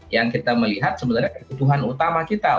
yang kita melihat sebenarnya kebutuhan utama kita